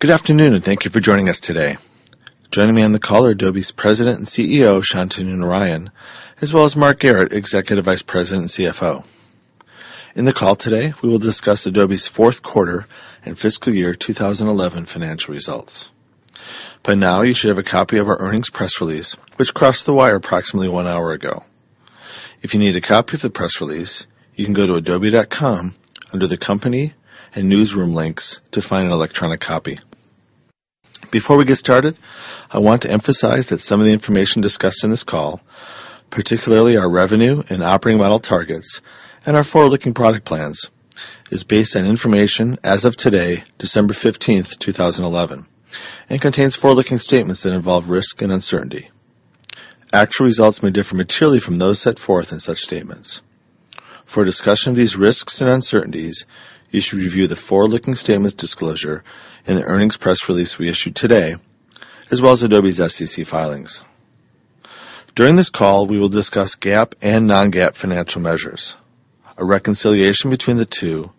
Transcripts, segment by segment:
Good afternoon and thank you for joining us today. Joining me on the call are Adobe's President and CEO, Shantanu Narayen, as well as Mark Garrett, Executive Vice President and CFO. In the call today, we will discuss Adobe's fourth quarter and fiscal year 2011 financial results. By now, you should have a copy of our earnings press release, which crossed the wire approximately one hour ago. If you need a copy of the press release, you can go to adobe.com under the company and newsroom links to find an electronic copy. Before we get started, I want to emphasize that some of the information discussed in this call, particularly our revenue and operating model targets and our forward-looking product plans, is based on information as of today, December 15th, 2011, and contains forward-looking statements that involve risk and uncertainty. Actual results may differ materially from those set forth in such statements. For discussion of these risks and uncertainties, you should review the forward-looking statements disclosure and the earnings press release we issued today, as well as Adobe's SEC filings. During this call, we will discuss GAAP and non-GAAP financial measures. A reconciliation between the two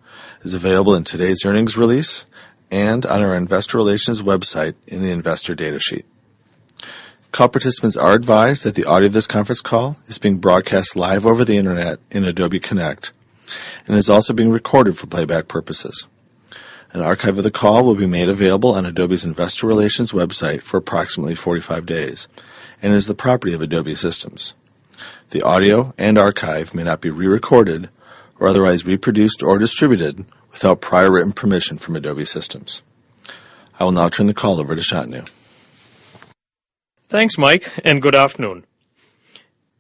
is available in today's earnings release and on our investor relations website in the investor data sheet. Call participants are advised that the audio of this conference call is being broadcast live over the internet in Adobe Connect and is also being recorded for playback purposes. An archive of the call will be made available on Adobe's investor relations website for approximately 45 days and is the property of Adobe Systems. The audio and archive may not be rerecorded or otherwise reproduced or distributed without prior written permission from Adobe Systems. I will now turn the call over to Shantanu. Thanks, Mike, and good afternoon.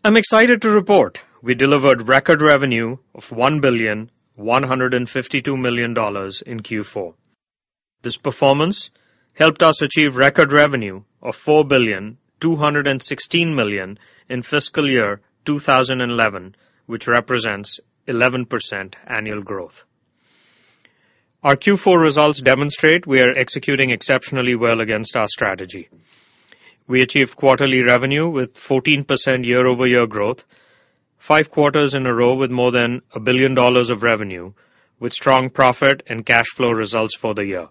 I'm excited to report we delivered record revenue of $1.152 billion in Q4. This performance helped us achieve record revenue of $4.216 billion in fiscal year 2011, which represents 11% annual growth. Our Q4 results demonstrate we are executing exceptionally well against our strategy. We achieved quarterly revenue with 14% year-over-year growth, five quarters in a row with more than $1 billion of revenue, with strong profit and cash flow results for the year.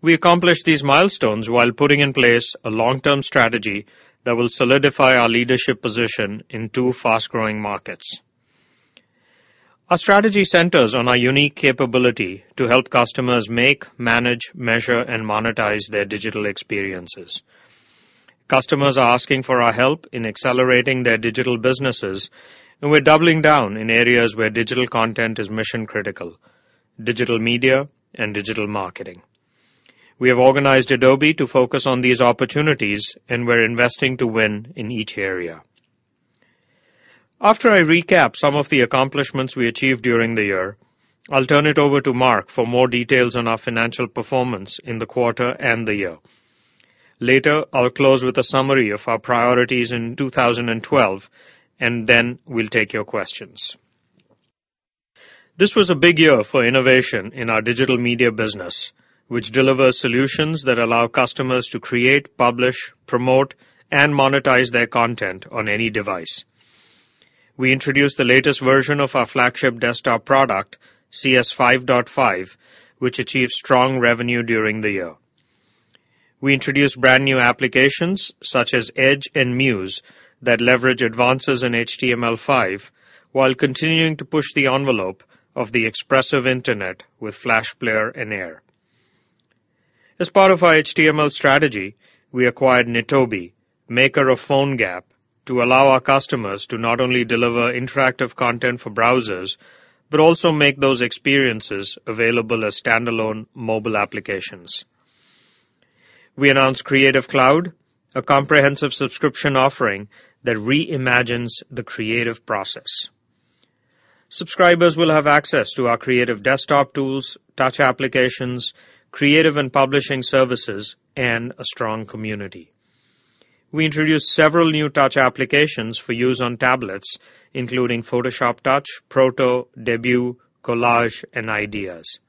We accomplished these milestones while putting in place a long-term strategy that will solidify our leadership position in two fast-growing markets. Our strategy centers on our unique capability to help customers make, manage, measure, and monetize their digital experiences. Customers are asking for our help in accelerating their digital businesses, and we're doubling down in areas where digital content is mission-critical: digital media and digital marketing. We have organized Adobe to focus on these opportunities, and we're investing to win in each area. After I recap some of the accomplishments we achieved during the year, I'll turn it over to Mark for more details on our financial performance in the quarter and the year. Later, I'll close with a summary of our priorities in 2012, and then we'll take your questions. This was a big year for innovation in our digital media business, which delivers solutions that allow customers to create, publish, promote, and monetize their content on any device. We introduced the latest version of our flagship desktop product, CS 5.5, which achieved strong revenue during the year. We introduced brand new applications such as Edge and Muse that leverage advances in HTML5 while continuing to push the envelope of the expressive internet with Flash Player and Air. As part of our HTML strategy, we acquired Nitobi, maker of PhoneGap, to allow our customers to not only deliver interactive content for browsers but also make those experiences available as standalone mobile applications. We announced Creative Cloud, a comprehensive subscription offering that reimagines the creative process. Subscribers will have access to our creative desktop tools, touch applications, creative and publishing services, and a strong community. We introduced several new touch applications for use on tablets, including Photoshop Touch, Proto, Debut, Collage, and Ideas.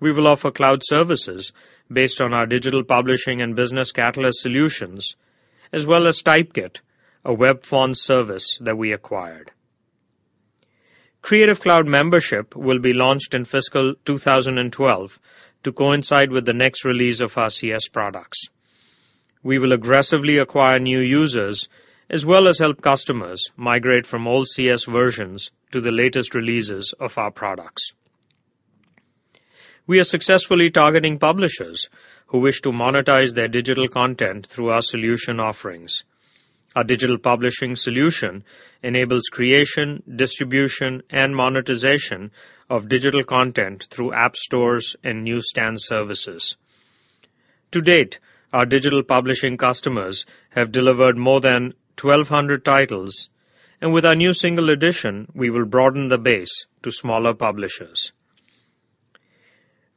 We will offer cloud services based on our digital publishing and Business Catalyst solutions, as well as Typekit, a web font service that we acquired. Creative Cloud membership will be launched in fiscal 2012 to coincide with the next release of our CS products. We will aggressively acquire new users, as well as help customers migrate from old CS versions to the latest releases of our products. We are successfully targeting publishers who wish to monetize their digital content through our solution offerings. Our digital publishing solution enables creation, distribution, and monetization of digital content through app stores and newsstand services. To date, our digital publishing customers have delivered more than 1,200 titles, and with our new single edition, we will broaden the base to smaller publishers.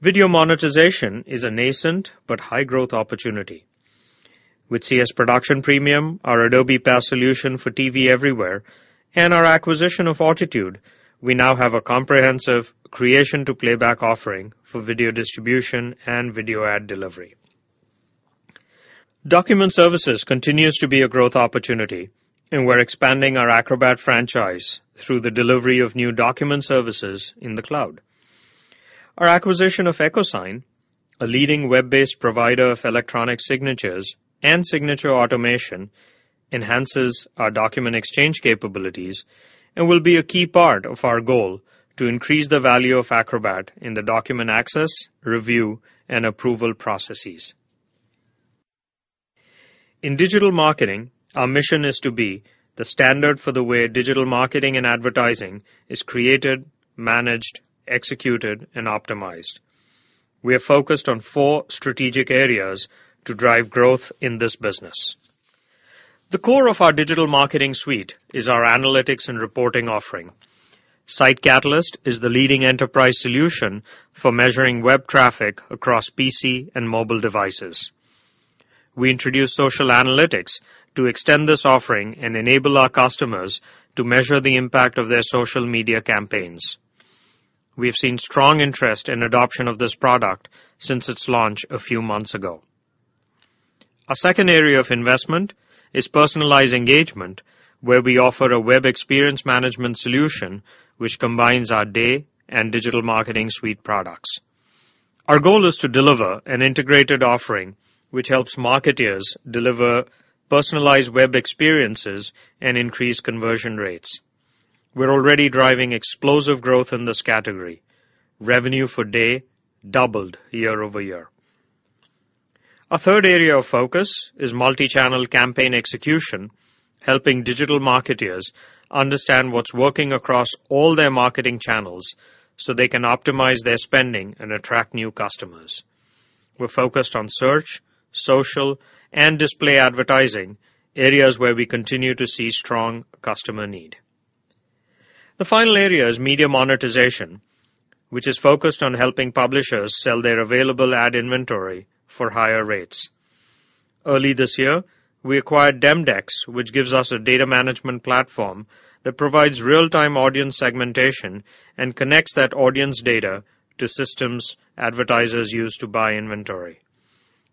Video monetization is a nascent but high-growth opportunity. With CS Production Premium, our Adobe Pass solution for TV everywhere, and our acquisition of Auditude, we now have a comprehensive creation-to-playback offering for video distribution and video ad delivery. Document services continue to be a growth opportunity, and we're expanding our Acrobat franchise through the delivery of new document services in the cloud. Our acquisition of EchoSign, a leading web-based provider of electronic signatures and signature automation, enhances our document exchange capabilities and will be a key part of our goal to increase the value of Acrobat in the document access, review, and approval processes. In digital marketing, our mission is to be the standard for the way digital marketing and advertising is created, managed, executed, and optimized. We are focused on four strategic areas to drive growth in this business. The core of our digital marketing suite is our analytics and reporting offering. SiteCatalyst is the leading enterprise solution for measuring web traffic across PC and mobile devices. We introduced social analytics to extend this offering and enable our customers to measure the impact of their social media campaigns. We've seen strong interest in adoption of this product since its launch a few months ago. A second area of investment is personalized engagement, where we offer a web experience management solution which combines our Day Web Experience Management and digital marketing suite products. Our goal is to deliver an integrated offering which helps marketers deliver personalized web experiences and increase conversion rates. We're already driving explosive growth in this category. Revenue for Day doubled year-over-year. A third area of focus is multi-channel campaign execution, helping digital marketers understand what's working across all their marketing channels so they can optimize their spending and attract new customers. We're focused on search, social, and display advertising, areas where we continue to see strong customer need. The final area is media monetization, which is focused on helping publishers sell their available ad inventory for higher rates. Early this year, we acquired Demdex, which gives us a data management platform that provides real-time audience segmentation and connects that audience data to systems advertisers use to buy inventory.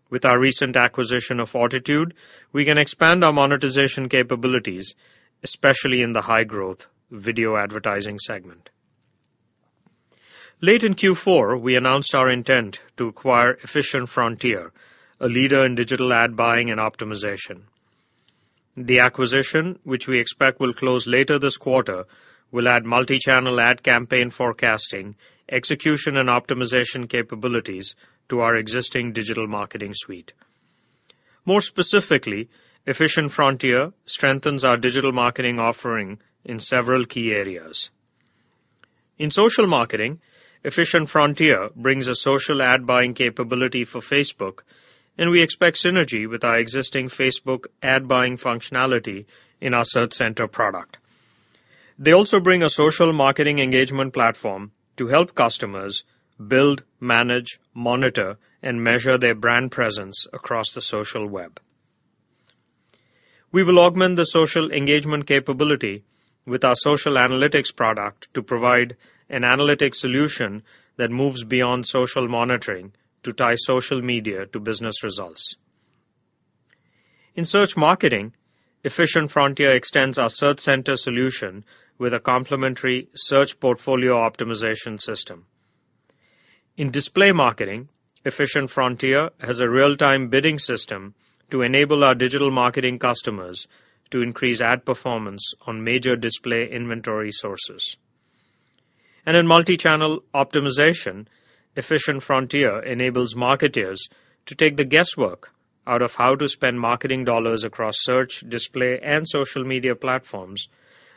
With our recent acquisition of Auditude, we can expand our monetization capabilities, especially in the high-growth video advertising segment. Late in Q4, we announced our intent to acquire Efficient Frontier, a leader in digital ad buying and optimization. The acquisition, which we expect will close later this quarter, will add multi-channel ad campaign forecasting, execution, and optimization capabilities to our existing digital marketing suite. More specifically, Efficient Frontier strengthens our digital marketing offering in several key areas. In social marketing, Efficient Frontier brings a social ad-buying capability for Facebook, and we expect synergy with our existing Facebook ad-buying functionality in our Search Center product. They also bring a social marketing engagement platform to help customers build, manage, monitor, and measure their brand presence across the social web. We will augment the social engagement capability with our social analytics product to provide an analytics solution that moves beyond social monitoring to tie social media to business results. In search marketing, Efficient Frontier extends our Search Center solution with a complementary search portfolio optimization system. In display marketing, Efficient Frontier has a real-time bidding system to enable our digital marketing customers to increase ad performance on major display inventory sources. In multi-channel optimization, Efficient Frontier enables marketers to take the guesswork out of how to spend marketing dollars across search, display, and social media platforms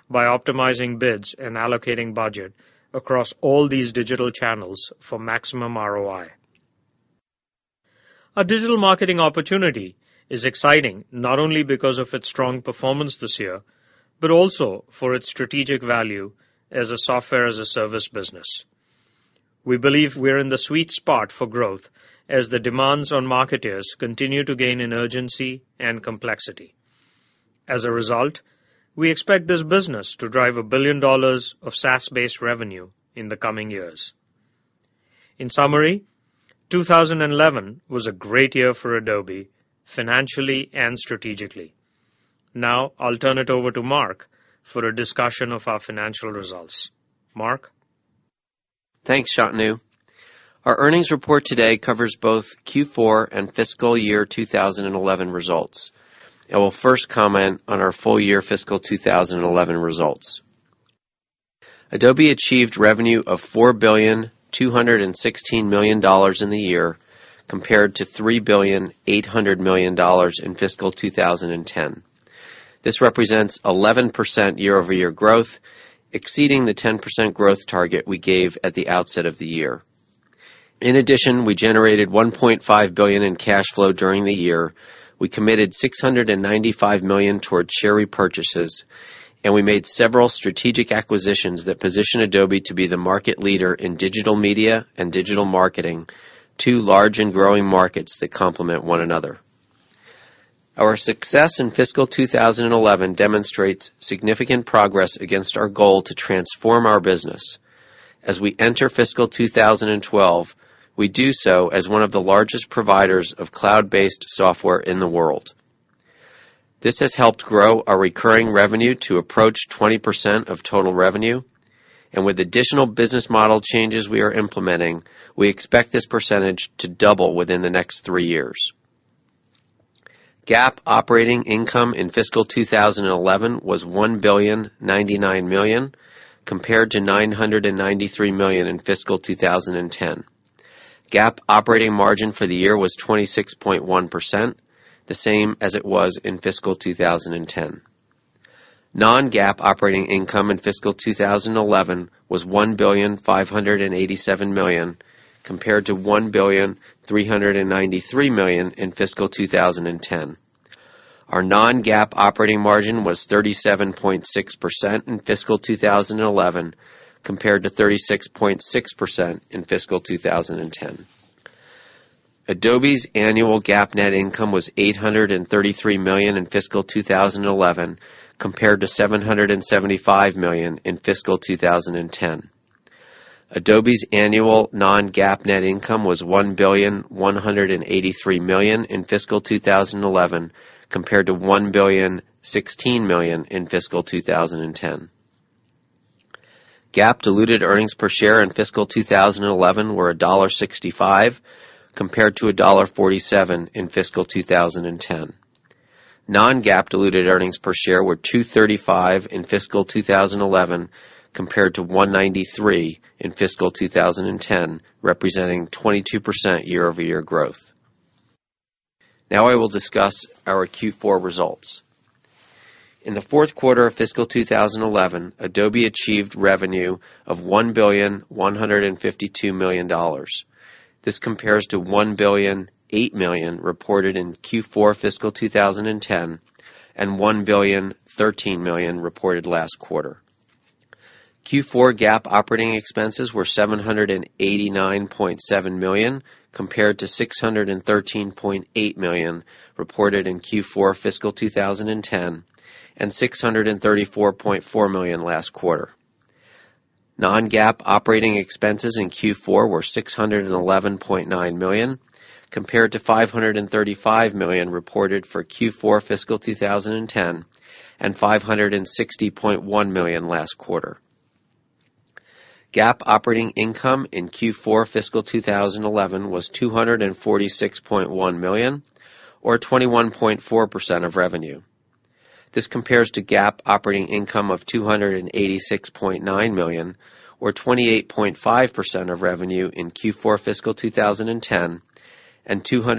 by optimizing bids and allocating budget across all these digital channels for maximum ROI. Our digital marketing opportunity is exciting not only because of its strong performance this year, but also for its strategic value as a software-as-a-service business. We believe we're in the sweet spot for growth as the demands on marketers continue to gain in urgency and complexity. As a result, we expect this business to drive $1 billion of SaaS-based revenue in the coming years. In summary, 2011 was a great year for Adobe, financially and strategically. Now, I'll turn it over to Mark for a discussion of our financial results. Mark? Thanks, Shantanu. Our earnings report today covers both Q4 and fiscal year 2011 results. I will first comment on our full-year fiscal 2011 results. Adobe achieved revenue of $4.216 billion in the year compared to $3.8 billion in fiscal 2010. This represents 11% year-over-year growth, exceeding the 10% growth target we gave at the outset of the year. In addition, we generated $1.5 billion in cash flow during the year, we committed $695 million towards share repurchases, and we made several strategic acquisitions that position Adobe to be the market leader in digital media and digital marketing, two large and growing markets that complement one another. Our success in fiscal 2011 demonstrates significant progress against our goal to transform our business. As we enter fiscal 2012, we do so as one of the largest providers of cloud-based software in the world. This has helped grow our recurring revenue to approach 20% of total revenue, and with additional business model changes we are implementing, we expect this percentage to double within the next three years. GAAP operating income in fiscal 2011 was $1.099 billion compared to $993 million in fiscal 2010. GAAP operating margin for the year was 26.1%, the same as it was in fiscal 2010. Non-GAAP operating income in fiscal 2011 was $1.587 billion compared to $1.393 billion in fiscal 2010. Our non-GAAP operating margin was 37.6% in fiscal 2011 compared to 36.6% in fiscal 2010. Adobe's annual GAAP net income was $833 million in fiscal 2011 compared to $775 million in fiscal 2010. Adobe's annual non-GAAP net income was $1.183 billion in fiscal 2011 compared to $1.016 billion in fiscal 2010. GAAP diluted earnings per share in fiscal 2011 were $1.65 compared to $1.47 in fiscal 2010. Non-GAAP diluted earnings per share were $2.35 in fiscal 2011 compared to $1.93 in fiscal 2010, representing 22% year-over-year growth. Now I will discuss our Q4 results. In the fourth quarter of fiscal 2011, Adobe achieved revenue of $1.152 billion. This compares to $1.008 billion reported in Q4 fiscal 2010 and $1.013 billion reported last quarter. Q4 GAAP operating expenses were $789.7 million compared to $613.8 million reported in Q4 fiscal 2010 and $634.4 million last quarter. Non-GAAP operating expenses in Q4 were $611.9 million compared to $535 million reported for Q4 fiscal 2010 and $560.1 million last quarter. GAAP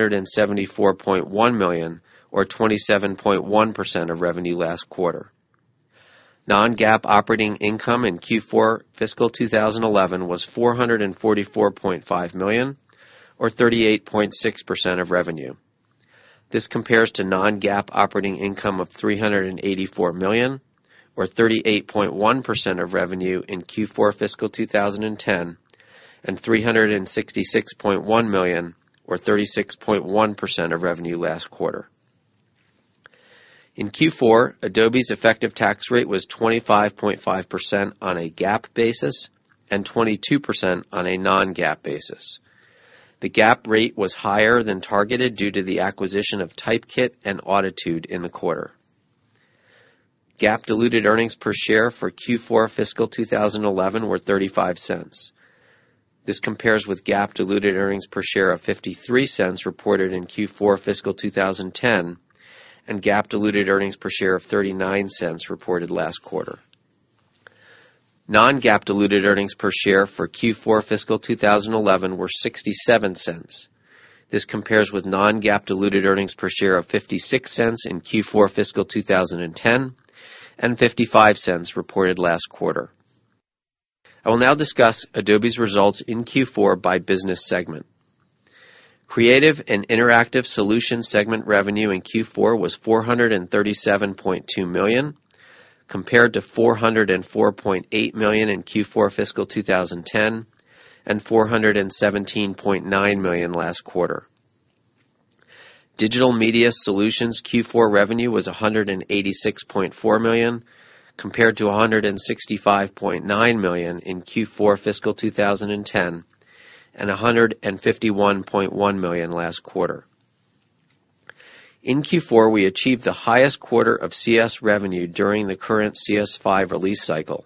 operating income in Q4 fiscal 2011 was $246.1 million or 21.4% of revenue. This compares to GAAP operating income of $286.9 million or 28.5% of revenue in Q4 fiscal 2010 and $274.1 million or 27.1% of revenue last quarter. Non-GAAP operating income in Q4 fiscal 2011 was $444.5 million or 38.6% of revenue. This compares to non-GAAP operating income of $384 million or 38.1% of revenue in Q4 fiscal 2010 and $366.1 million or 36.1% of revenue last quarter. In Q4, Adobe's effective tax rate was 25.5% on a GAAP basis and 22% on a non-GAAP basis. The GAAP rate was higher than targeted due to the acquisition of Typekit and Auditude in the quarter. GAAP diluted earnings per share for Q4 fiscal 2011 were $0.35. This compares with GAAP diluted earnings per share of $0.53 reported in Q4 fiscal 2010 and GAAP diluted earnings per share of $0.39 reported last quarter. Non-GAAP diluted earnings per share for Q4 fiscal 2011 were $0.67. This compares with non-GAAP diluted earnings per share of $0.56 in Q4 fiscal 2010 and $0.55 reported last quarter. I will now discuss Adobe's results in Q4 by business segment. Creative and Interactive Solutions segment revenue in Q4 was $437.2 million compared to $404.8 million in Q4 fiscal 2010 and $417.9 million last quarter. Digital Media Solutions Q4 revenue was $186.4 million compared to $165.9 million in Q4 fiscal 2010 and $151.1 million last quarter. In Q4, we achieved the highest quarter of CS revenue during the current CS5 release cycle,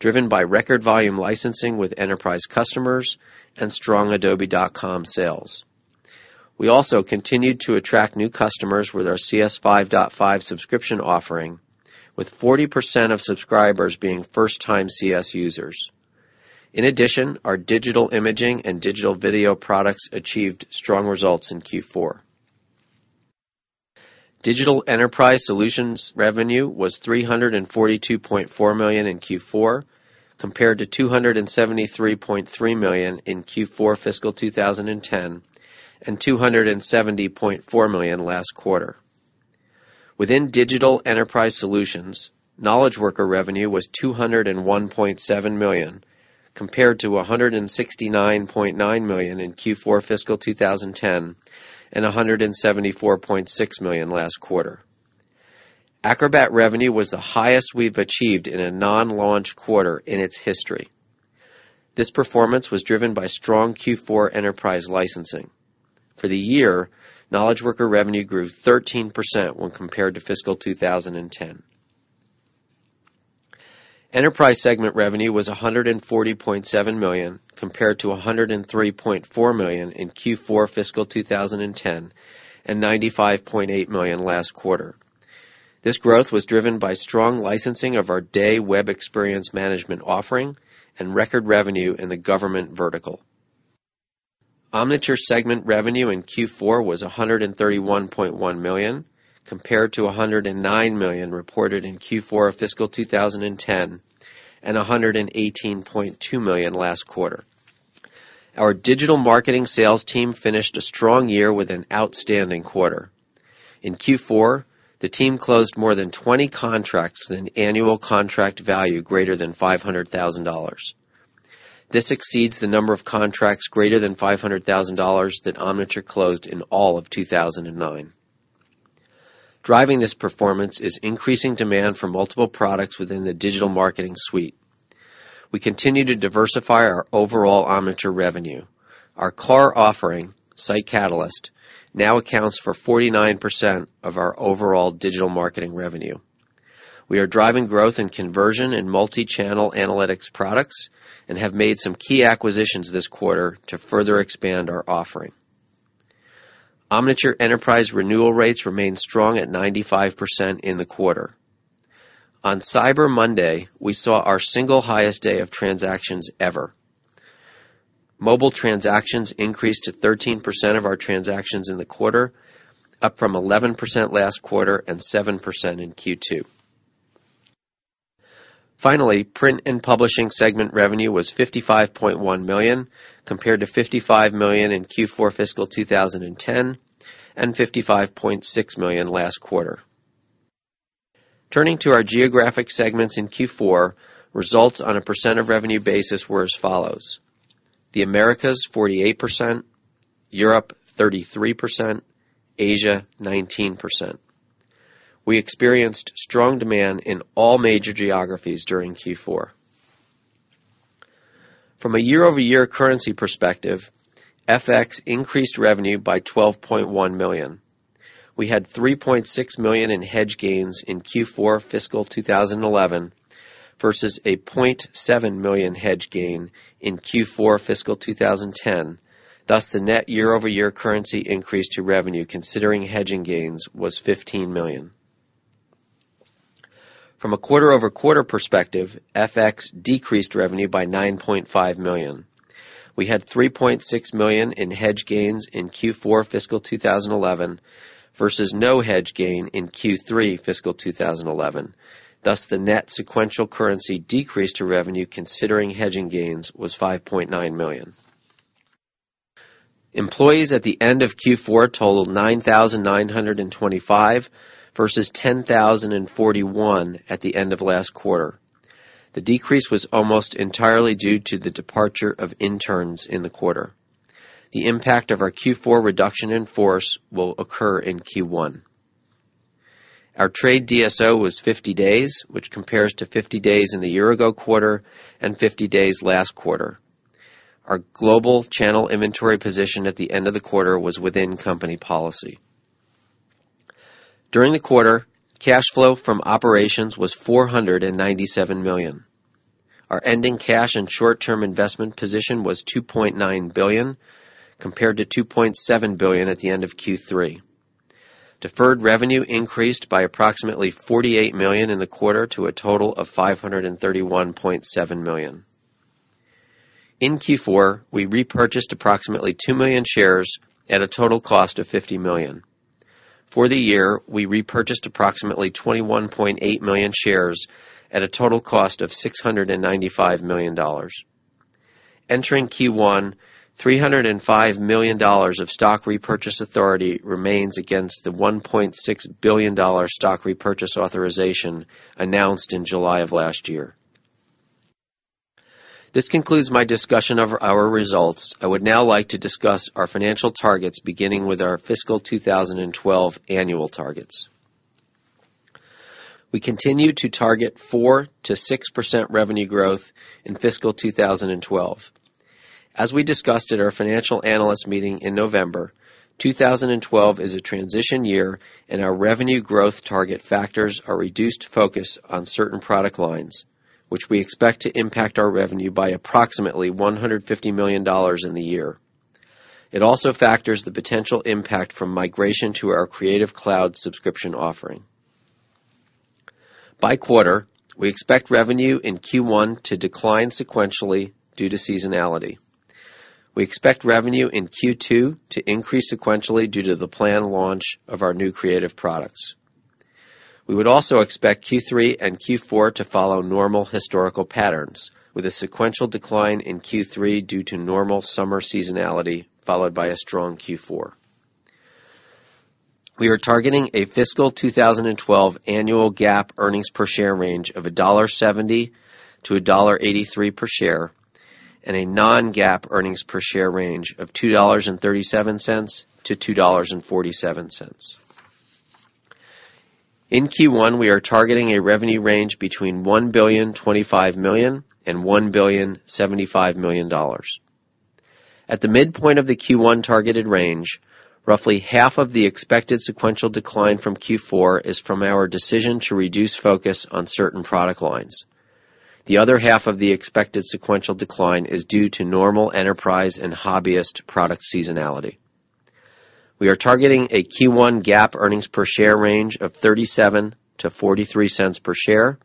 driven by record volume licensing with enterprise customers and strong Adobe.com sales. We also continued to attract new customers with our CS5.5 subscription offering, with 40% of subscribers being first-time CS users. In addition, our digital imaging and digital video products achieved strong results in Q4. Digital Enterprise Solutions revenue was $342.4 million in Q4 compared to $273.3 million in Q4 fiscal 2010 and $270.4 million last quarter. Within Digital Enterprise Solutions, Knowledge Worker revenue was $201.7 million compared to $169.9 million in Q4 fiscal 2010 and $174.6 million last quarter. Acrobat revenue was the highest we've achieved in a non-launch quarter in its history. This performance was driven by strong Q4 enterprise licensing. For the year, Knowledge Worker revenue grew 13% when compared to fiscal 2010. Enterprise segment revenue was $140.7 million compared to $103.4 million in Q4 fiscal 2010 and $95.8 million last quarter. This growth was driven by strong licensing of our Day Web Experience Management offering and record revenue in the government vertical. Omniture segment revenue in Q4 was $131.1 million compared to $109 million reported in Q4 fiscal 2010 and $118.2 million last quarter. Our digital marketing sales team finished a strong year with an outstanding quarter. In Q4, the team closed more than 20 contracts with an annual contract value greater than $500,000. This exceeds the number of contracts greater than $500,000 that Omniture closed in all of 2009. Driving this performance is increasing demand for multiple products within the digital marketing suite. We continue to diversify our overall Omniture revenue. Our core offering, SiteCatalyst, now accounts for 49% of our overall digital marketing revenue. We are driving growth in conversion and multi-channel analytics products and have made some key acquisitions this quarter to further expand our offering. Omniture enterprise renewal rates remain strong at 95% in the quarter. On Cyber Monday, we saw our single highest day of transactions ever. Mobile transactions increased to 13% of our transactions in the quarter, up from 11% last quarter and 7% in Q2. Finally, print and publishing segment revenue was $55.1 million compared to $55 million in Q4 fiscal 2010 and $55.6 million last quarter. Turning to our geographic segments in Q4, results on a percent of revenue basis were as follows: the Americas 48%, Europe 33%, and Asia 19%. We experienced strong demand in all major geographies during Q4. From a year-over-year currency perspective, FX increased revenue by $12.1 million. We had $3.6 million in hedge gains in Q4 fiscal 2011 versus a $0.7 million hedge gain in Q4 fiscal 2010. Thus, the net year-over-year currency increase to revenue, considering hedging gains, was $15 million. From a quarter-over-quarter perspective, FX decreased revenue by $9.5 million. We had $3.6 million in hedge gains in Q4 fiscal 2011 versus no hedge gain in Q3 fiscal 2011. Thus, the net sequential currency decrease to revenue, considering hedging gains, was $5.9 million. Employees at the end of Q4 totaled 9,925 versus 10,041 at the end of last quarter. The decrease was almost entirely due to the departure of interns in the quarter. The impact of our Q4 reduction in force will occur in Q1. Our trade DSO was 50 days, which compares to 50 days in the year-ago quarter and 50 days last quarter. Our global channel inventory position at the end of the quarter was within company policy. During the quarter, cash flow from operations was $497 million. Our ending cash and short-term investment position was $2.9 billion compared to $2.7 billion at the end of Q3. Deferred revenue increased by approximately $48 million in the quarter to a total of $531.7 million. In Q4, we repurchased approximately 2 million shares at a total cost of $50 million. For the year, we repurchased approximately 21.8 million shares at a total cost of $695 million. Entering Q1, $305 million of stock repurchase authority remains against the $1.6 billion stock repurchase authorization announced in July of last year. This concludes my discussion of our results. I would now like to discuss our financial targets, beginning with our fiscal 2012 annual targets. We continue to target 4%-6% revenue growth in fiscal 2012. As we discussed at our financial analyst meeting in November, 2012 is a transition year, and our revenue growth target factors our reduced focus on certain product lines, which we expect to impact our revenue by approximately $150 million in the year. It also factors the potential impact from migration to our Creative Cloud subscription offering. By quarter, we expect revenue in Q1 to decline sequentially due to seasonality. We expect revenue in Q2 to increase sequentially due to the planned launch of our new creative products. We would also expect Q3 and Q4 to follow normal historical patterns, with a sequential decline in Q3 due to normal summer seasonality followed by a strong Q4. We are targeting a fiscal 2012 annual GAAP earnings per share range of $1.70-$1.83 per share and a non-GAAP earnings per share range of $2.37-$2.47. In Q1, we are targeting a revenue range between $1,025,000,000 and $1,075,000,000. At the midpoint of the Q1 targeted range, roughly half of the expected sequential decline from Q4 is from our decision to reduce focus on certain product lines. The other half of the expected sequential decline is due to normal enterprise and hobbyist product seasonality. We are targeting a Q1 GAAP earnings per share range of $0.37-$0.43 per share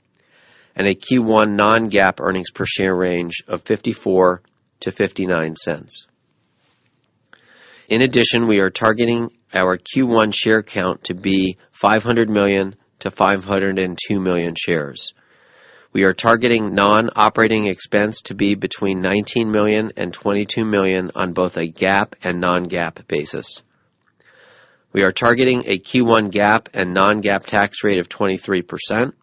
and a Q1 non-GAAP earnings per share range of $0.54-$0.59. In addition, we are targeting our Q1 share count to be 500 million-502 million shares. We are targeting non-operating expense to be between $19 million and $22 million on both a GAAP and non-GAAP basis. We are targeting a Q1 GAAP and non-GAAP tax rate of 23%.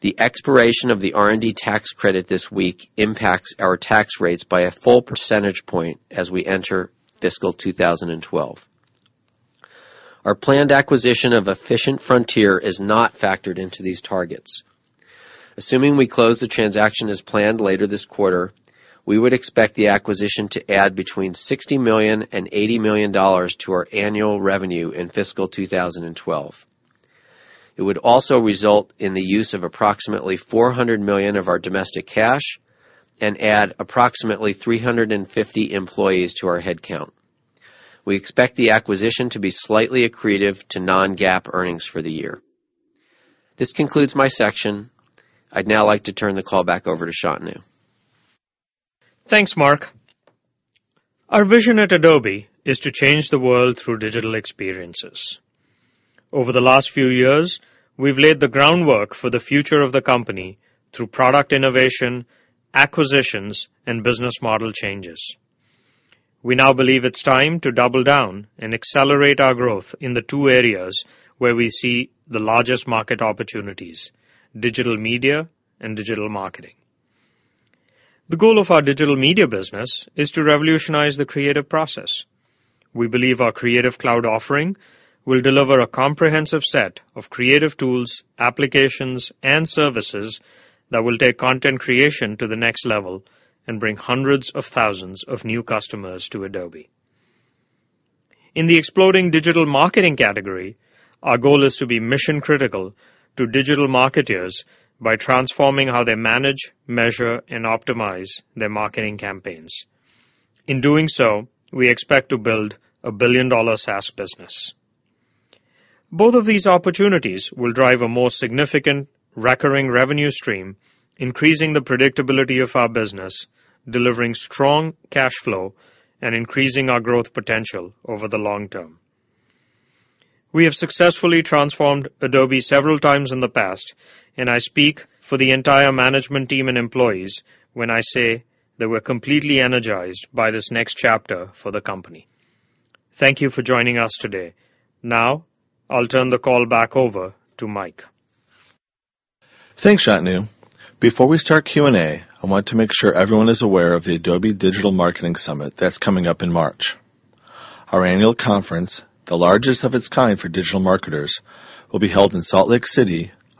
The expiration of the R&D tax credit this week impacts our tax rates by a full percentage point as we enter fiscal 2012. Our planned acquisition of Efficient Frontier is not factored into these targets. Assuming we close the transaction as planned later this quarter, we would expect the acquisition to add between $60 million and $80 million to our annual revenue in fiscal 2012. It would also result in the use of approximately $400 million of our domestic cash and add approximately 350 employees to our headcount. We expect the acquisition to be slightly accretive to non-GAAP earnings for the year. This concludes my section. I'd now like to turn the call back over to Shantanu. Thanks, Mark. Our vision at Adobe is to change the world through digital experiences. Over the last few years, we've laid the groundwork for the future of the company through product innovation, acquisitions, and business model changes. We now believe it's time to double down and accelerate our growth in the two areas where we see the largest market opportunities: digital media and digital marketing. The goal of our digital media business is to revolutionize the creative process. We believe our Creative Cloud offering will deliver a comprehensive set of creative tools, applications, and services that will take content creation to the next level and bring hundreds of thousands of new customers to Adobe. In the exploding digital marketing category, our goal is to be mission-critical to digital marketers by transforming how they manage, measure, and optimize their marketing campaigns. In doing so, we expect to build a billion-dollar SaaS business. Both of these opportunities will drive a more significant, recurring revenue stream, increasing the predictability of our business, delivering strong cash flow, and increasing our growth potential over the long term. We have successfully transformed Adobe several times in the past, and I speak for the entire management team and employees when I say that we're completely energized by this next chapter for the company. Thank you for joining us today. Now, I'll turn the call back over to Mike. Thanks, Shantanu. Before we start Q&A, I want to make sure everyone is aware of the Adobe Digital Marketing Summit that's coming up in March. Our annual conference, the largest of its kind for digital marketers, will be held in Salt Lake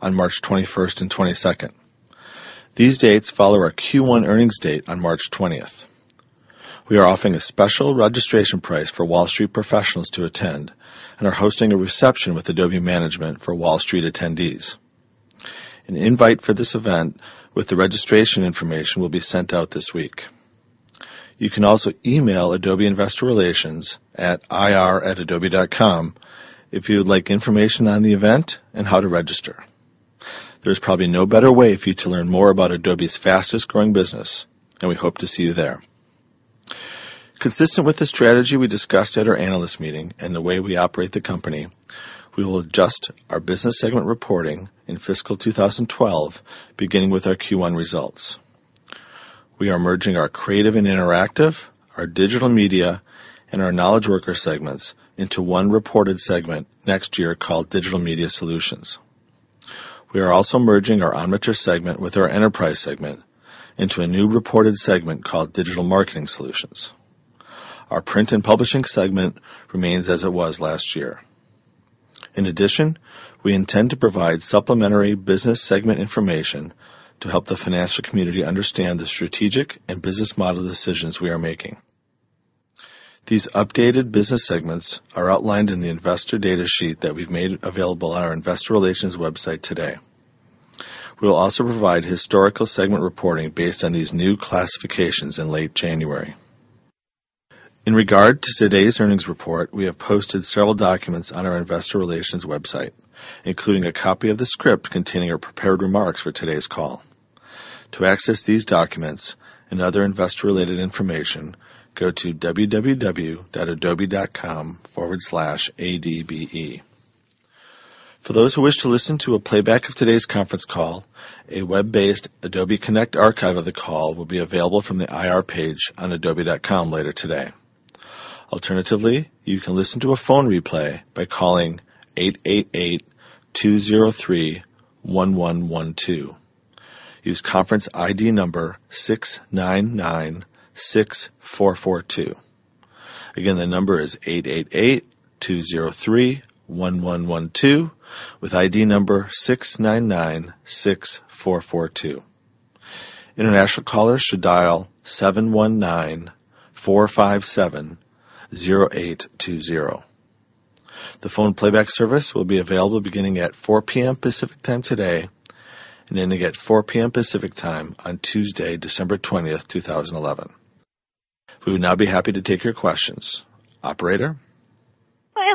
City on March 21st and 22nd. These dates follow our Q1 earnings date on March 20th. We are offering a special registration price for Wall Street professionals to attend and are hosting a reception with Adobe management for Wall Street attendees. An invite for this event with the registration information will be sent out this week. You can also email Adobe Investor Relations at ir@adobe.com if you would like information on the event and how to register. There's probably no better way for you to learn more about Adobe's fastest-growing business, and we hope to see you there. Consistent with the strategy we discussed at our analyst meeting and the way we operate the company, we will adjust our business segment reporting in fiscal 2012, beginning with our Q1 results. We are merging our creative and interactive, our digital media, and our knowledge worker segments into one reported segment next year called Digital Media Solutions. We are also merging our Omniture segment with our enterprise segment into a new reported segment called Digital Marketing Solutions. Our print and publishing segment remains as it was last year. In addition, we intend to provide supplementary business segment information to help the financial community understand the strategic and business model decisions we are making. These updated business segments are outlined in the investor data sheet that we've made available on our Investor Relations website today. We will also provide historical segment reporting based on these new classifications in late January. In regard to today's earnings report, we have posted several documents on our Investor Relations website, including a copy of the script containing our prepared remarks for today's call. To access these documents and other investor-related information, go to www.adobe.com/adbe. For those who wish to listen to a playback of today's conference call, a web-based Adobe Connect archive of the call will be available from the IR page on adobe.com later today. Alternatively, you can listen to a phone replay by calling 888-203-1112. Use conference ID number 6996442. Again, the number is 888-203-1112 with ID number 6996442. International callers should dial 719-457-0820. The phone playback service will be available beginning at 4:00 P.M. Pacific Time today and ending at 4:00 P.M. Pacific Time on Tuesday, December 20th, 2011. We would now be happy to take your questions. Operator?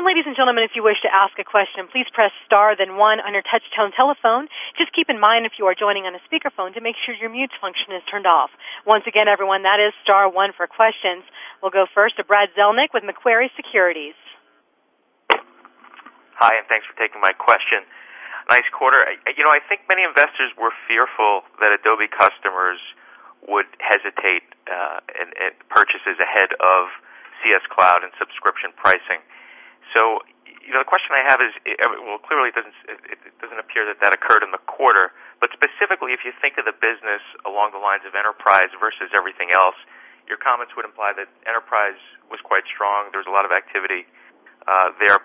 Ladies and gentlemen, if you wish to ask a question, please press star then one on your touch-tone telephone. Just keep in mind if you are joining on a speakerphone to make sure your mute function is turned off. Once again, everyone, that is star one for questions. We'll go first to Brad Zelnick with Macquarie Securities. Hi, and thanks for taking my question. Nice quarter. I think many investors were fearful that Adobe customers would hesitate in purchases ahead of CS Cloud and subscription pricing. The question I have is, clearly it doesn't appear that that occurred in the quarter, but specifically, if you think of the business along the lines of enterprise versus everything else, your comments would imply that enterprise was quite strong. There was a lot of activity there.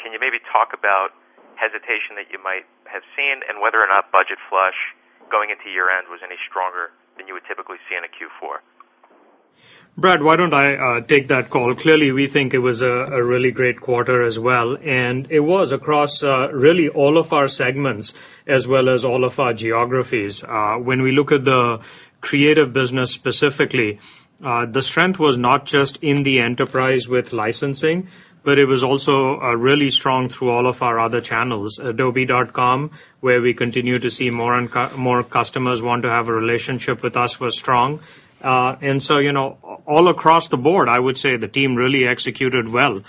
Can you maybe talk about hesitation that you might have seen and whether or not budget flush going into year-end was any stronger than you would typically see in a Q4? Brad, why don't I take that call? Clearly, we think it was a really great quarter as well, and it was across really all of our segments as well as all of our geographies. When we look at the creative business specifically, the strength was not just in the enterprise with licensing, it was also really strong through all of our other channels. Adobe.com, where we continue to see more and more customers want to have a relationship with us, was strong. All across the board, I would say the team really executed well.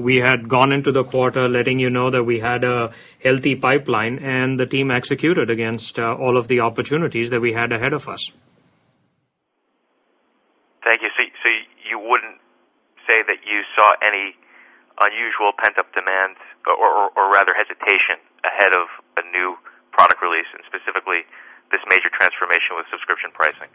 We had gone into the quarter letting you know that we had a healthy pipeline, and the team executed against all of the opportunities that we had ahead of us. Thank you. You wouldn't say that you saw any unusual pent-up demand or rather hesitation ahead of a new product release, specifically this major transformation with subscription pricing?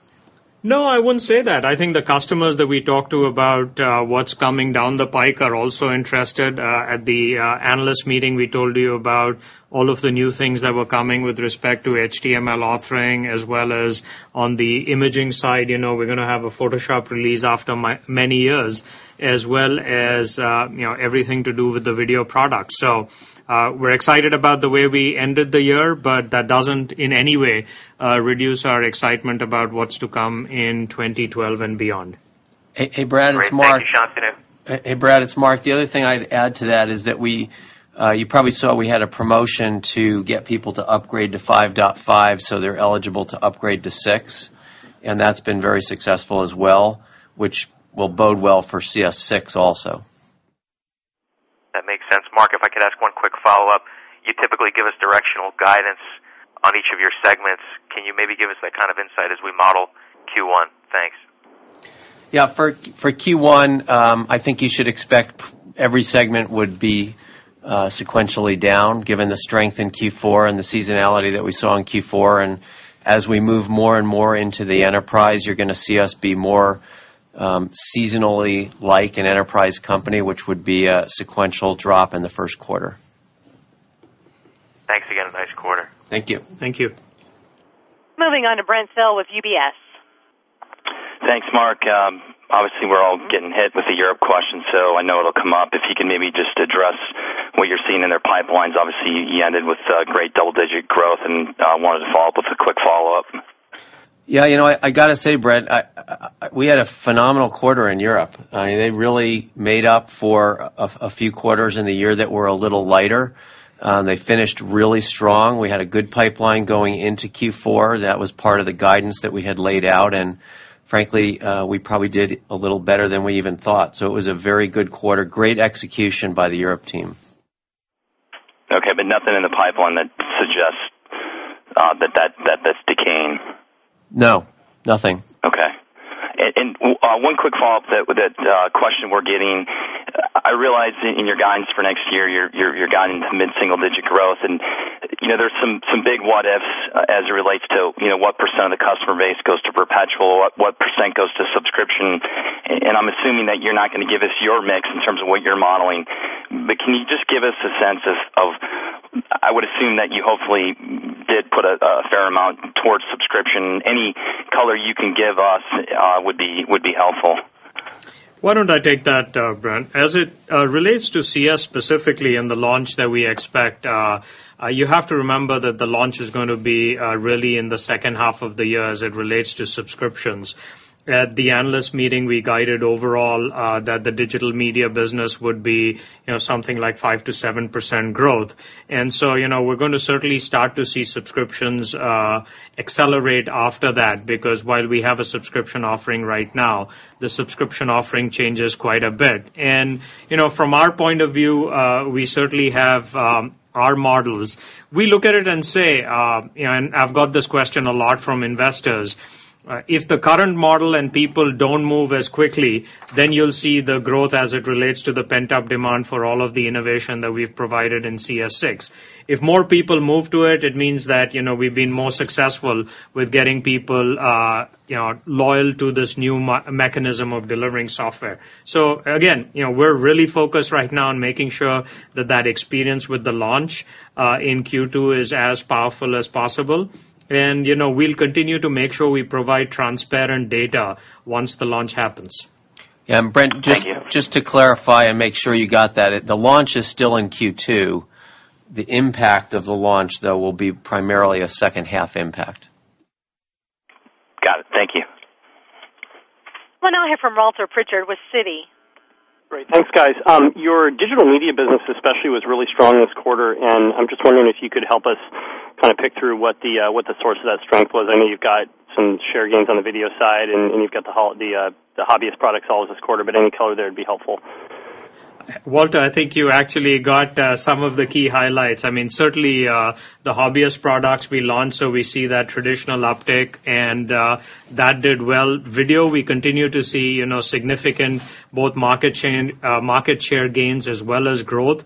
No, I wouldn't say that. I think the customers that we talked to about what's coming down the pike are also interested. At the analyst meeting, we told you about all of the new things that were coming with respect to HTML authoring as well as on the imaging side. We're going to have a Photoshop release after many years, as well as everything to do with the video products. We're excited about the way we ended the year, but that doesn't in any way reduce our excitement about what's to come in 2012 and beyond. Hey, Brad, it's Mark. Hey, Shantanu. Hey, Brad, it's Mark. The other thing I'd add to that is that you probably saw we had a promotion to get people to upgrade to 5.5 so they're eligible to upgrade to 6. That's been very successful as well, which will bode well for CS6 also. That makes sense. Mark, if I could ask one quick follow-up, you typically give us directional guidance on each of your segments. Can you maybe give us that kind of insight as we model Q1? Thanks. Yeah, for Q1, I think you should expect every segment would be sequentially down given the strength in Q4 and the seasonality that we saw in Q4. As we move more and more into the enterprise, you're going to see us be more seasonally like an enterprise company, which would be a sequential drop in the first quarter. Thanks again. A nice quarter. Thank you. Thank you. Moving on to Brent Bracelin with UBS. Thanks, Mark. Obviously, we're all getting hit with the Europe question, so I know it'll come up. If you can maybe just address what you're seeing in their pipelines. Obviously, you ended with great double-digit growth and wanted to follow up with a quick follow-up. Yeah, I got to say, Brent, we had a phenomenal quarter in Europe. They really made up for a few quarters in the year that were a little lighter. They finished really strong. We had a good pipeline going into Q4. That was part of the guidance that we had laid out. Frankly, we probably did a little better than we even thought. It was a very good quarter, great execution by the Europe team. Okay, nothing in the pipeline that suggests that that's decaying? No, nothing. Okay. One quick follow-up, that question we're getting, I realized in your guidance for next year, you're guiding mid-single-digit growth. There are some big what-ifs as it relates to what percent of the customer base goes to perpetual, what percent goes to subscription. I'm assuming that you're not going to give us your mix in terms of what you're modeling. Can you just give us a sense of, I would assume that you hopefully did put a fair amount towards subscription. Any color you can give us would be helpful. Why don't I take that, Brent? As it relates to CS specifically and the launch that we expect, you have to remember that the launch is going to be really in the second half of the year as it relates to subscriptions. At the analyst meeting, we guided overall that the digital media business would be something like 5%-7% growth. We're going to certainly start to see subscriptions accelerate after that because while we have a subscription offering right now, the subscription offering changes quite a bit. From our point of view, we certainly have our models. We look at it and say, you know, and I've got this question a lot from investors. If the current model and people don't move as quickly, then you'll see the growth as it relates to the pent-up demand for all of the innovation that we've provided in CS6. If more people move to it, it means that we've been more successful with getting people loyal to this new mechanism of delivering software. We're really focused right now on making sure that that experience with the launch in Q2 is as powerful as possible. We'll continue to make sure we provide transparent data once the launch happens. Yeah, Brent, just to clarify and make sure you got that, the launch is still in Q2. The impact of the launch, though, will be primarily a second-half impact. Got it. Thank you. We'll now hear from Walter Richard with Citi. Thanks, guys. Your digital media business especially was really strong this quarter, and I'm just wondering if you could help us kind of pick through what the source of that strength was. I know you've got some share gains on the video side, and you've got the hobbyist products all this quarter, but any color there would be helpful. Walter, I think you actually got some of the key highlights. Certainly, the hobbyist products we launched, we see that traditional uptick, and that did well. Video, we continue to see significant both market share gains as well as growth.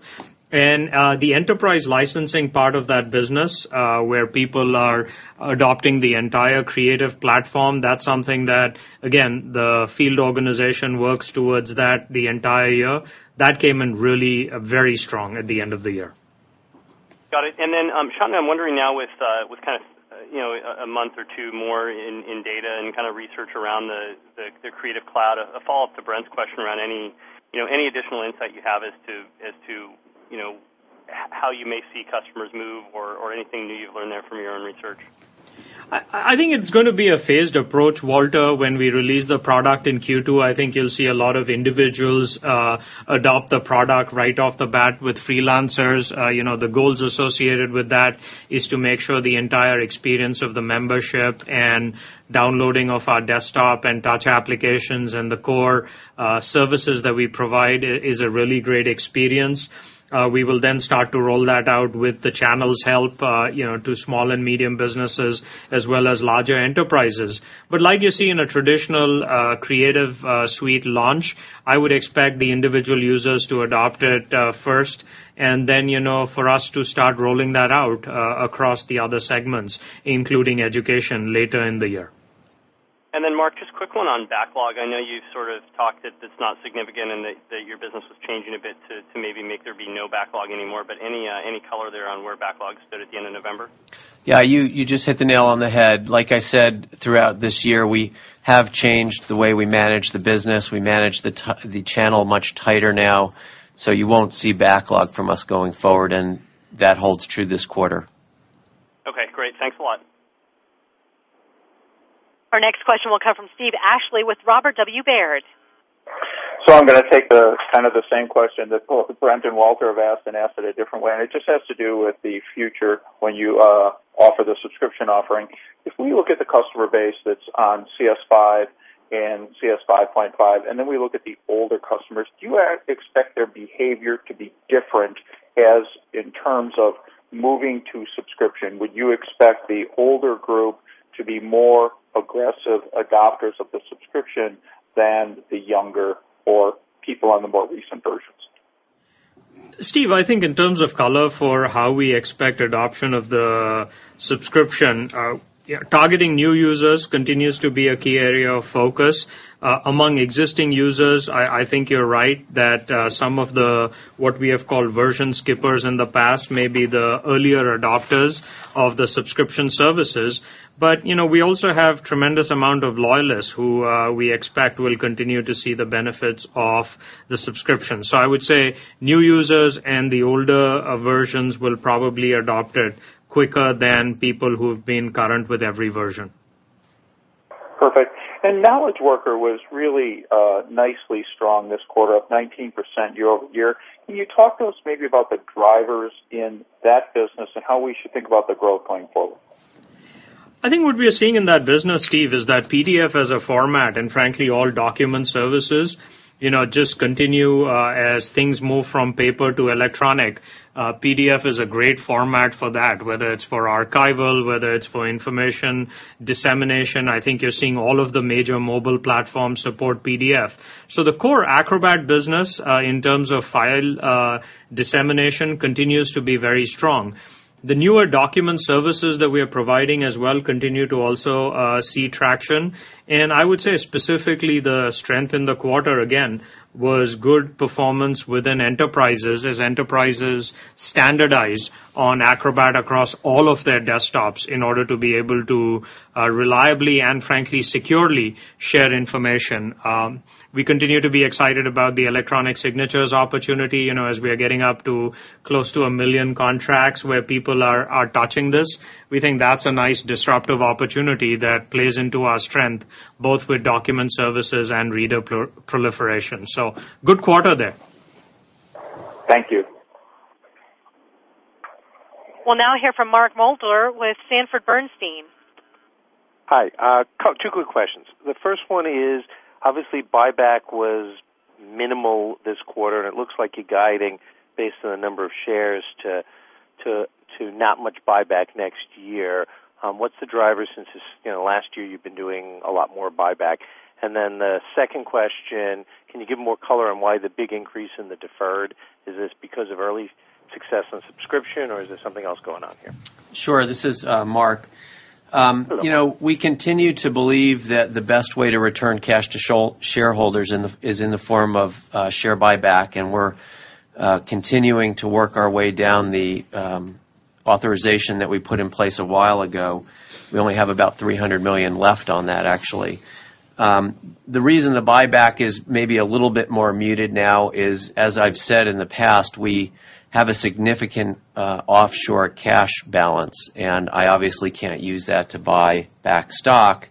The enterprise licensing part of that business where people are adopting the entire creative platform, that's something that, again, the field organization works towards that the entire year. That came in really very strong at the end of the year. Got it. Shantanu, I'm wondering now with a month or two more in data and research around the Creative Cloud, a follow-up to Brent's question around any additional insight you have as to how you may see customers move or anything new you've learned there from your own research. I think it's going to be a phased approach, Walter. When we release the product in Q2, I think you'll see a lot of individuals adopt the product right off the bat with freelancers. The goals associated with that are to make sure the entire experience of the membership and downloading of our desktop and touch applications and the core services that we provide is a really great experience. We will then start to roll that out with the channel's help to small and medium businesses as well as larger enterprises. Like you see in a traditional Creative Suite launch, I would expect the individual users to adopt it first and then for us to start rolling that out across the other segments, including education, later in the year. Mark, just a quick one on backlog. I know you've sort of talked that it's not significant and that your business was changing a bit to maybe make there be no backlog anymore, but any color there on where backlog stood at the end of November? Yeah, you just hit the nail on the head. Like I said, throughout this year, we have changed the way we manage the business. We manage the channel much tighter now, so you won't see backlog from us going forward, and that holds true this quarter. Okay, great. Thanks a lot. Our next question will come from Steve Ashley with Robert W. Baird. I am going to take kind of the same question that Brent and Walter have asked and ask it in a different way, and it just has to do with the future when you offer the subscription offering. If we look at the customer base that's on CS5 and CS5.5, and then we look at the older customers, do you expect their behavior to be different in terms of moving to subscription? Would you expect the older group to be more aggressive adopters of the subscription than the younger or people on the more recent versions? Steve, I think in terms of color for how we expect adoption of the subscription, targeting new users continues to be a key area of focus. Among existing users, I think you're right that some of what we have called version skippers in the past may be the earlier adopters of the subscription services. We also have a tremendous amount of loyalists who we expect will continue to see the benefits of the subscription. I would say new users and the older versions will probably adopt it quicker than people who've been current with every version. Perfect. Knowledge Worker was really nicely strong this quarter, up 19% year-over-year. Can you talk to us maybe about the drivers in that business and how we should think about the growth going forward? I think what we are seeing in that business, Steve, is that PDF as a format and frankly all document services just continue as things move from paper to electronic. PDF is a great format for that, whether it's for archival or for information dissemination. I think you're seeing all of the major mobile platforms support PDF. The core Acrobat business in terms of file dissemination continues to be very strong. The newer document services that we are providing as well continue to also see traction. I would say specifically the strength in the quarter, again, was good performance within enterprises as enterprises standardize on Acrobat across all of their desktops in order to be able to reliably and frankly securely share information. We continue to be excited about the electronic signatures opportunity, as we are getting up to close to a million contracts where people are touching this. We think that's a nice disruptive opportunity that plays into our strength, both with document services and reader proliferation. Good quarter there. Thank you. We'll now hear from MarkMoerdler with Sanford Bernstein. Hi. Two quick questions. The first one is, obviously, buyback was minimal this quarter, and it looks like you're guiding based on the number of shares to not much buyback next year. What's the driver since last year you've been doing a lot more buyback? The second question, can you give more color on why the big increase in the deferred? Is this because of early success on subscription, or is there something else going on here? Sure. This is Mark. We continue to believe that the best way to return cash to shareholders is in the form of share buyback, and we're continuing to work our way down the authorization that we put in place a while ago. We only have about $300 million left on that, actually. The reason the buyback is maybe a little bit more muted now is, as I've said in the past, we have a significant offshore cash balance, and I obviously can't use that to buy back stock.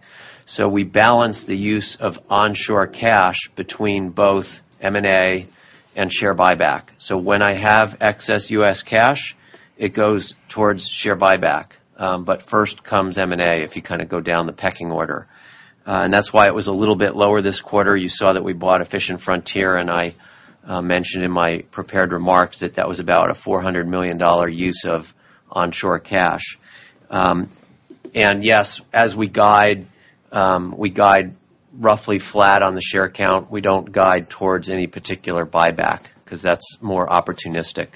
We balance the use of onshore cash between both M&A and share buyback. When I have excess U.S. cash, it goes towards share buyback, but first comes M&A if you kind of go down the pecking order. That's why it was a little bit lower this quarter. You saw that we bought Efficient Frontier, and I mentioned in my prepared remarks that that was about a $400 million use of onshore cash. Yes, as we guide, we guide roughly flat on the share count. We don't guide towards any particular buyback because that's more opportunistic.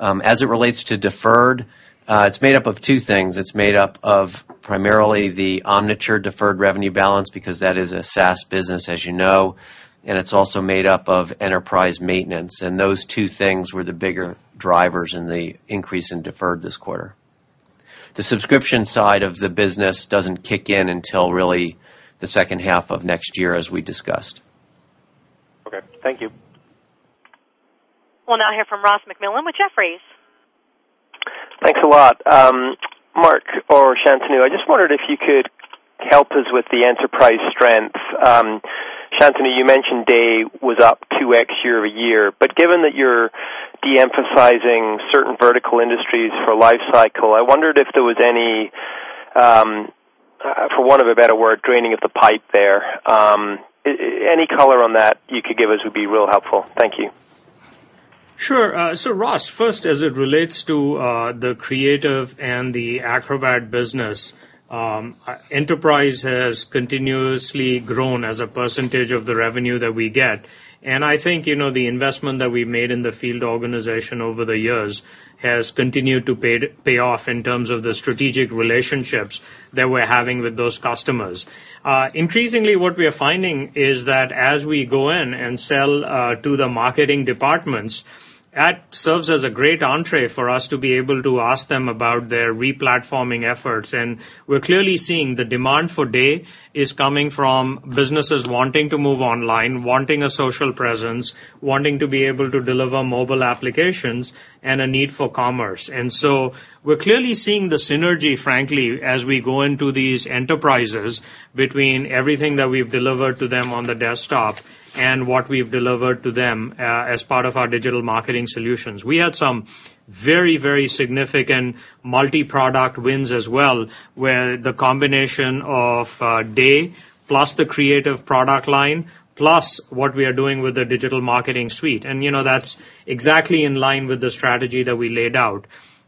As it relates to deferred, it's made up of two things. It's made up of primarily the Omniture deferred revenue balance because that is a SaaS business, as you know, and it's also made up of enterprise maintenance. Those two things were the bigger drivers in the increase in deferred this quarter. The subscription side of the business doesn't kick in until really the second half of next year, as we discussed. Okay, thank you. We'll now hear from Ross MacMillan with Jefferies. Thanks a lot. Mark or Shantanu, I just wondered if you could help us with the enterprise strength. Shantanu, you mentioned Day Web Experience Management was up 2x year-over-year, but given that you're de-emphasizing certain vertical industries for life cycle, I wondered if there was any, for want of a better word, draining of the pipe there. Any color on that you could give us would be real helpful. Thank you. Sure. So Ross, first, as it relates to the creative and the Acrobat business, enterprise has continuously grown as a percentage of the revenue that we get. I think the investment that we've made in the field organization over the years has continued to pay off in terms of the strategic relationships that we're having with those customers. Increasingly, what we are finding is that as we go in and sell to the marketing departments, that serves as a great entrée for us to be able to ask them about their replatforming efforts. We're clearly seeing the demand for Day is coming from businesses wanting to move online, wanting a social presence, wanting to be able to deliver mobile applications, and a need for commerce. We're clearly seeing the synergy, frankly, as we go into these enterprises between everything that we've delivered to them on the desktop and what we've delivered to them as part of our digital marketing solutions. We had some very, very significant multi-product wins as well, where the combination of Day plus the creative product line plus what we are doing with the digital marketing suite. That's exactly in line with the strategy that we laid out.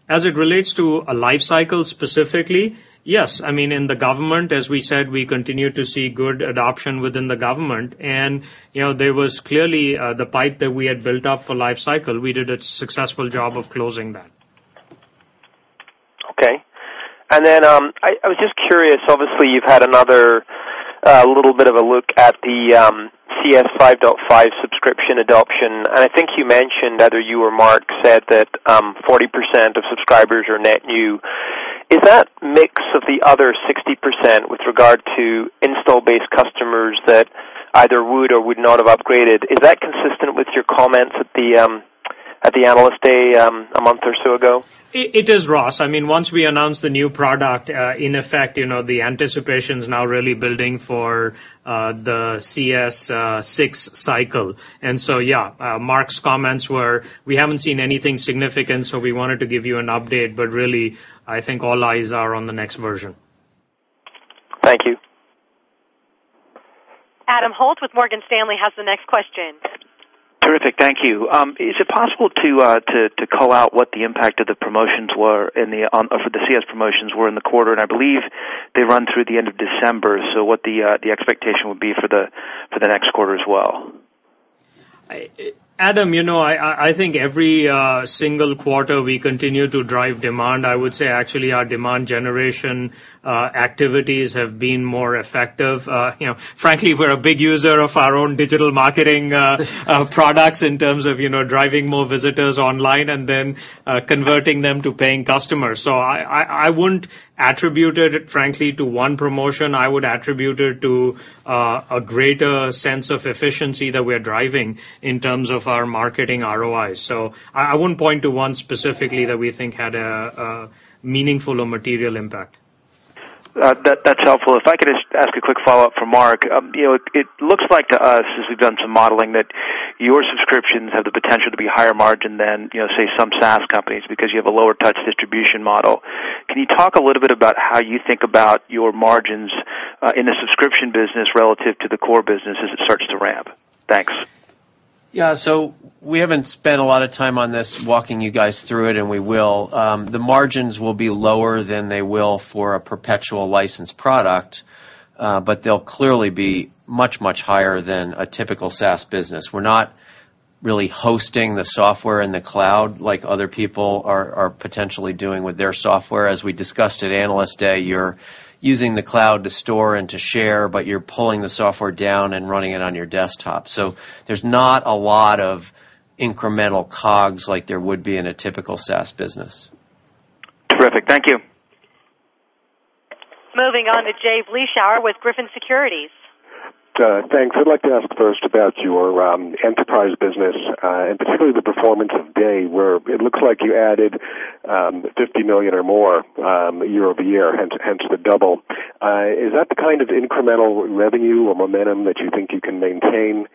As it relates to a life cycle specifically, yes. In the government, as we said, we continue to see good adoption within the government. There was clearly the pipe that we had built up for life cycle. We did a successful job of closing that. Okay. I was just curious, obviously, you've had another little bit of a look at the CS5.5 subscription adoption. I think you mentioned, either you or Mark said that 40% of subscribers are net new. Is that mix of the other 60% with regard to install-based customers that either would or would not have upgraded? Is that consistent with your comments at the Analyst Day a month or so ago? It is, Ross. I mean, once we announced the new product, in effect, the anticipation is now really building for the CS6 cycle. Mark's comments were, we haven't seen anything significant, so we wanted to give you an update. Really, I think all eyes are on the next version. Thank you. Adam Holt with Morgan Stanley has the next question. Terrific. Thank you. Is it possible to call out what the impact of the promotions were for the CS promotions were in the quarter? I believe they run through the end of December. What the expectation would be for the next quarter as well? Adam, I think every single quarter we continue to drive demand. I would say actually our demand generation activities have been more effective. Frankly, we're a big user of our own digital marketing products in terms of driving more visitors online and then converting them to paying customers. I wouldn't attribute it, frankly, to one promotion. I would attribute it to a greater sense of efficiency that we're driving in terms of our marketing ROI. I wouldn't point to one specifically that we think had a meaningful or material impact. That's helpful. If I could just ask a quick follow-up from Mark, you know, it looks like to us, as we've done some modeling, that your subscriptions have the potential to be higher margin than, you know, say, some SaaS companies because you have a lower touch distribution model. Can you talk a little bit about how you think about your margins in the subscription business relative to the core business as it starts to ramp? Thanks. We haven't spent a lot of time on this walking you guys through it, and we will. The margins will be lower than they will for a perpetual licensed product, but they'll clearly be much, much higher than a typical SaaS business. We're not really hosting the software in the cloud like other people are potentially doing with their software. As we discussed at Analyst Day, you're using the cloud to store and to share, but you're pulling the software down and running it on your desktop. There's not a lot of incremental COGS like there would be in a typical SaaS business. Perfect. Thank you. Moving on to Jay Vleeschhouwer with Griffin Securities. Thanks. I'd like to ask first about your enterprise business and particularly the performance of Day, where it looks like you added $50 million or more year-over-year, hence the double. Is that the kind of incremental revenue or momentum that you think you can maintain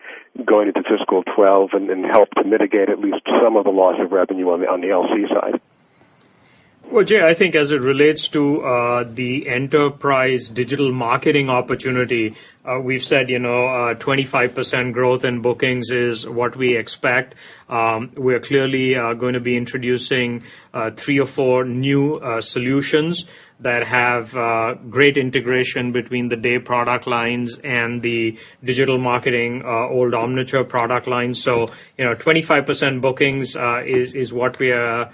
going into fiscal 2012 and help mitigate at least some of the loss of revenue on the LC side? Jay, I think as it relates to the enterprise digital marketing opportunity, we've said, you know, 25% growth in bookings is what we expect. We're clearly going to be introducing three or four new solutions that have great integration between the Day product lines and the digital marketing old Omniture product lines. You know, 25% bookings is what we are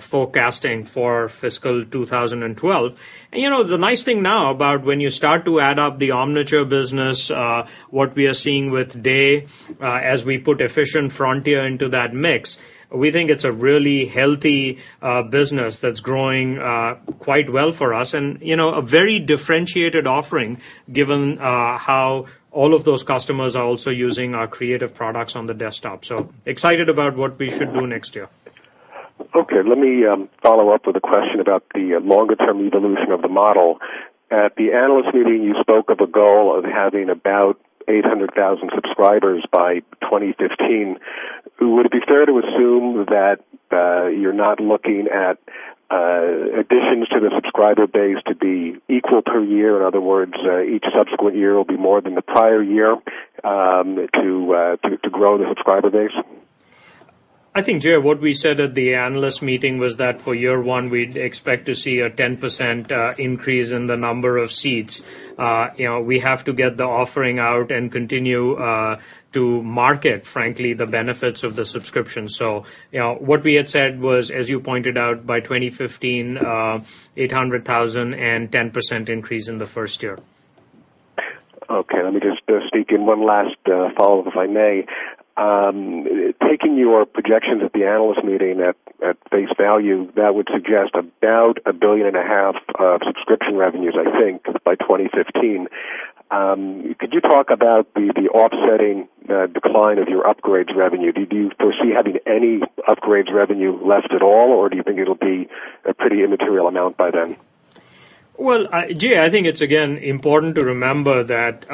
forecasting for fiscal 2012. The nice thing now about when you start to add up the Omniture business, what we are seeing with Day, as we put Efficient Frontier into that mix, we think it's a really healthy business that's growing quite well for us and, you know, a very differentiated offering given how all of those customers are also using our creative products on the desktop. Excited about what we should do next year. Okay, let me follow up with a question about the longer-term evolution of the model. At the analyst meeting, you spoke of a goal of having about 800,000 subscribers by 2015. Would it be fair to assume that you're not looking at additions to the subscriber base to be equal per year? In other words, each subsequent year will be more than the prior year to grow the subscriber base? I think, Jay, what we said at the analyst meeting was that for year one, we'd expect to see a 10% increase in the number of seats. We have to get the offering out and continue to market, frankly, the benefits of the subscription. What we had said was, as you pointed out, by 2015, 800,000 and 10% increase in the first year. Okay, let me just speak in one last follow-up, if I may. Taking your projections at the analyst meeting at face value, that would suggest about $1.5 billion subscription revenues, I think, by 2015. Could you talk about the offsetting line of your upgrades revenue? Do you foresee having any upgrades revenue left at all, or do you think it'll be a pretty immaterial amount by then? Jay, I think it's important to remember that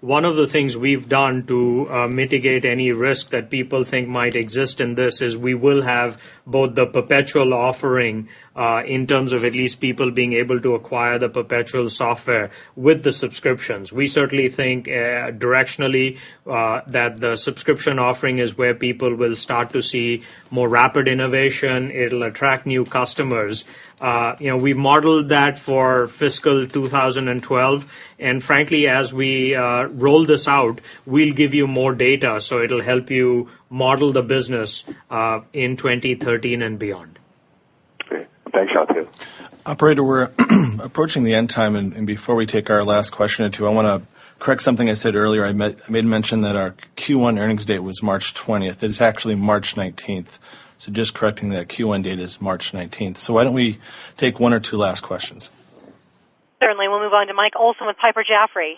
one of the things we've done to mitigate any risk that people think might exist in this is we will have both the perpetual offering in terms of at least people being able to acquire the perpetual software with the subscriptions. We certainly think directionally that the subscription offering is where people will start to see more rapid innovation. It'll attract new customers. You know, we modeled that for fiscal 2012, and frankly, as we roll this out, we'll give you more data, so it'll help you model the business in 2013 and beyond. Thanks, Shantanu. Operator, we're approaching the end time, and before we take our last question or two, I want to correct something I said earlier. I made mention that our Q1 earnings date was March 20th. It's actually March 19th. Just correcting that, Q1 date is March 19th. Why don't we take one or two last questions? Certainly. We'll move on to Mike Olson with Piper Jaffray.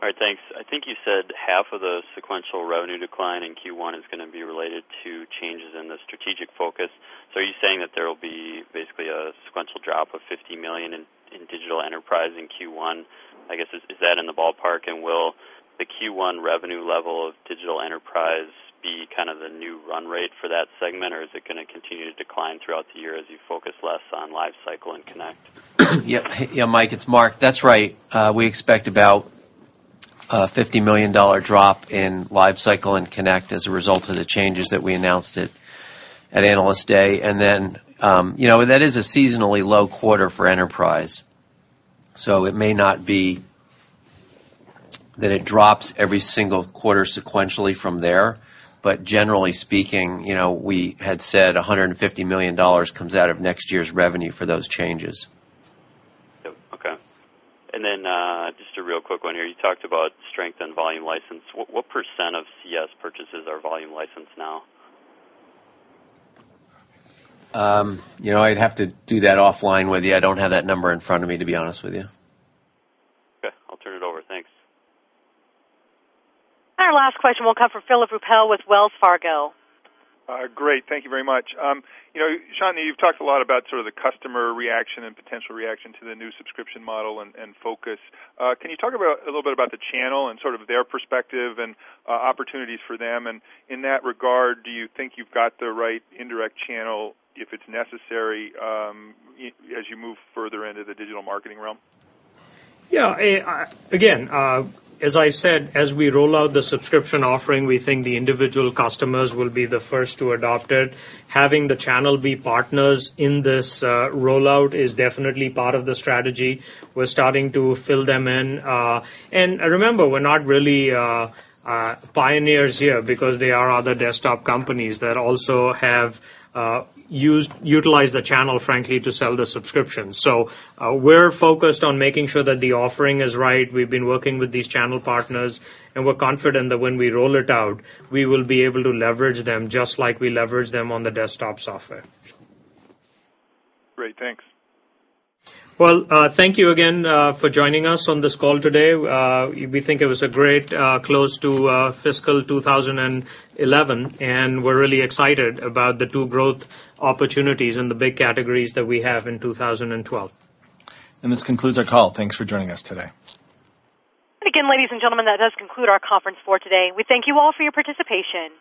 All right, thanks. I think you said half of the sequential revenue decline in Q1 is going to be related to changes in the strategic focus. Are you saying that there will be basically a sequential drop of $50 million in digital enterprise in Q1? Is that in the ballpark? Will the Q1 revenue level of digital enterprise be kind of the new run rate for that segment, or is it going to continue to decline throughout the year as you focus less on Lifecycle and Connect? Yeah, Mike, it's Mark. That's right. We expect about a $50 million drop in Lifecycle and Connect as a result of the changes that we announced at Analyst Day. That is a seasonally low quarter for enterprise. It may not be that it drops every single quarter sequentially from there, but generally speaking, we had said $150 million comes out of next year's revenue for those changes. Okay. Just a real quick one here. You talked about strength in volume license. What percent of CS purchases are volume licensed now? I'd have to do that offline with you. I don't have that number in front of me, to be honest with you. Okay, I'll turn it over. Thanks. Our last question will come from Philip Ruppel with Wells Fargo. Great, thank you very much. Shantanu, you've talked a lot about sort of the customer reaction and potential reaction to the new subscription model and focus. Can you talk a little bit about the channel and sort of their perspective and opportunities for them? In that regard, do you think you've got the right indirect channel if it's necessary as you move further into the digital marketing realm? Yeah, as I said, as we roll out the subscription offering, we think the individual customers will be the first to adopt it. Having the channel be partners in this rollout is definitely part of the strategy. We're starting to fill them in. Remember, we're not really pioneers here because there are other desktop companies that also have utilized the channel, frankly, to sell the subscriptions. We're focused on making sure that the offering is right. We've been working with these channel partners, and we're confident that when we roll it out, we will be able to leverage them just like we leverage them on the desktop software. Great, thanks. Thank you again for joining us on this call today. We think it was a great close to fiscal 2011, and we're really excited about the two growth opportunities in the big categories that we have in 2012. This concludes our call. Thanks for joining us today. Again, ladies and gentlemen, that does conclude our conference for today. We thank you all for your participation.